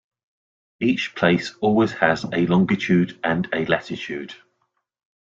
Each place always has a longitude and a latitude.